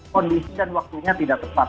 kondisi dan waktunya tidak tepat